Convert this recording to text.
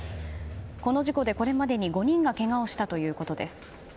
この事故でこれまでに５人がけがをしたということです。